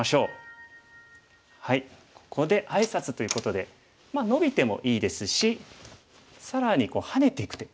ここであいさつということでまあノビてもいいですし更にハネていく手。